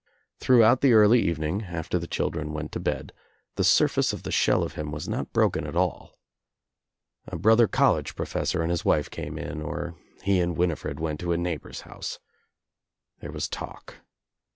Throughout the early eve ning, after the children went to bed, the surface of the shell of him was not broken at all. A brother college professor and his wife came in or he and Winifred went to a neighbor's house. There was talk.